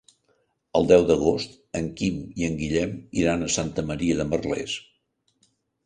El deu d'agost en Quim i en Guillem iran a Santa Maria de Merlès.